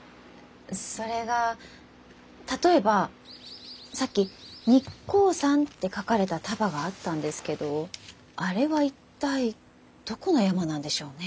それが例えばさっき「日光山」って書かれた束があったんですけどあれは一体どこの山なんでしょうね？